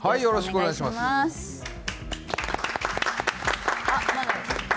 よろしくお願いします。